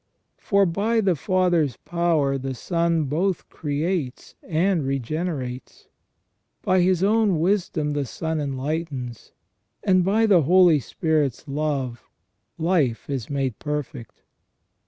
For by the Father's power the Son both creates and regenerates ; by His own wisdom the Son enlightens, and by the Holy Spirit's love life is made perfect.